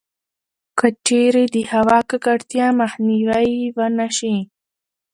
کـچـېرې د هوا کـکړتيا مخنيـوی يـې ونـه شـي٫